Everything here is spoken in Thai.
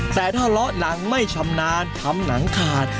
แต่ถ้าเลาะหนังไม่ชำนาญทำหนังขาด